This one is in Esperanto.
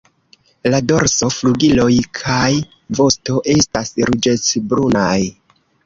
La dorso, flugiloj kaj vosto estas ruĝecbrunaj.